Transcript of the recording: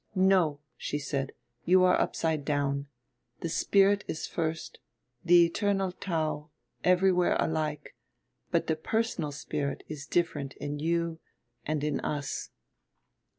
"No," she said, "you are upside down. The spirit is first, the eternal Tao, everywhere alike, but the personal spirit is different in you and in us."